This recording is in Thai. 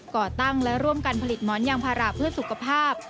ก่อตั้งและร่วมกันผลิตหมอนยางพาราเพื่อสุขภาพ